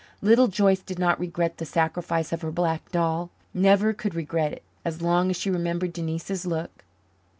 Little Joyce did not regret the sacrifice of her black doll never could regret it, as long as she remembered Denise's look.